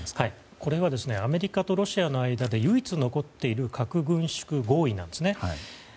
これはアメリカとロシアの間で唯一残っている核軍縮合意なんですね。